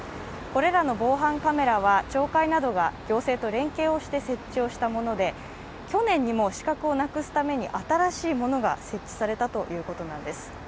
これらの防犯カメラは町会などが行政と連携して設置したもので去年にも死角をなくすために新しいものが設置されたということです。